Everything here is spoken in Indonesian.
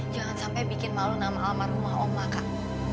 jangan sampai bikin malu nama almarhumah ombak kak